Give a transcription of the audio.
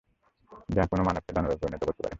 যা যেকোনো মানবকে দানবে পরিণত করতে পারে।